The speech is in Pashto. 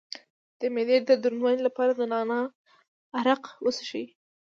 د معدې د دروندوالي لپاره د نعناع عرق وڅښئ